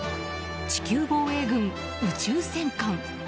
地球防衛軍、宇宙戦艦。